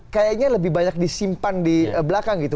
kayaknya lebih banyak disimpan di belakang gitu